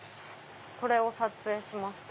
これを撮影しました。